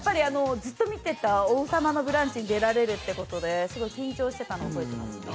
ずっと見てた「王様のブランチ」に出られるっていうことですごい緊張してたの覚えてます。